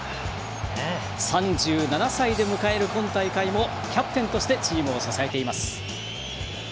３７歳で迎える今大会も今大会もキャプテンとしてチームを支えています。